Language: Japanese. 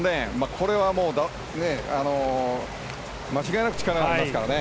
これは間違いなく力がありますからね。